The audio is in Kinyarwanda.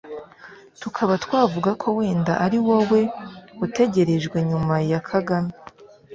tukaba twavuga ko wenda ari wowe utegerejwe nyuma ya kagame,